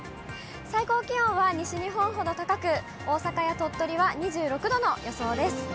最高気温は西日本ほど高く、大阪や鳥取は２６度の予想です。